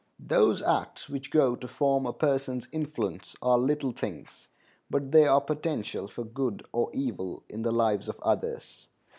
Those acts which go to form a person's influence are little things, but they are potential for good or evil in the lives of others.